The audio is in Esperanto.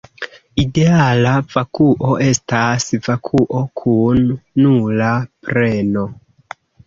Ideala vakuo estas vakuo kun nula premo.